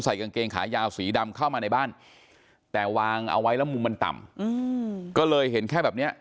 กางเกงขายาวสีดำเข้ามาในบ้านแต่วางเอาไว้แล้วมุมมันต่ำก็เลยเห็นแค่แบบเนี้ย